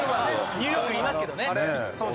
ニューヨークにいますけどね。